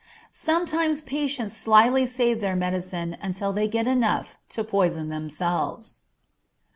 Sometimes patients slyly save their medicine until they get enough to poison themselves.